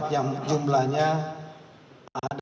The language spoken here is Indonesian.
yang jumlahnya ada